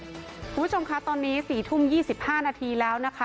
คุณผู้ชมคะตอนนี้สี่ทุ่มยี่สิบห้านาทีแล้วนะคะ